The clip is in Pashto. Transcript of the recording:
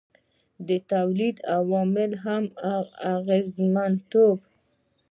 د تولید د عواملو کم اغېزمنتوب.